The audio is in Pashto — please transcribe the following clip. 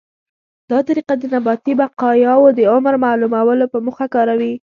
دا طریقه د نباتي بقایاوو د عمر معلومولو په موخه کاروي.